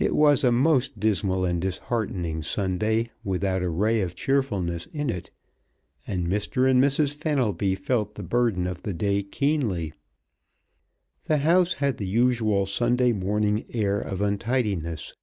It was a most dismal and disheartening Sunday, without a ray of cheerfulness in it, and Mr. and Mrs. Fenelby felt the burden of the day keenly. The house had the usual Sunday morning air of untidiness.